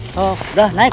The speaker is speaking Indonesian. sok udah naik